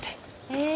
へえ。